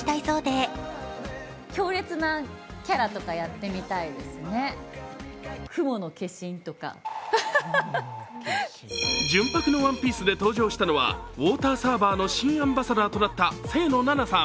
俳優としても新境地を開拓したいそうで純白のワンピースで登場したのはウォーターサーバーの新アンバサダーとなった清野菜名さん。